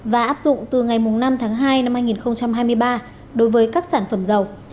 và áp dụng từ ngày năm tháng hai năm hai nghìn hai mươi ba đối với các sản phẩm dầu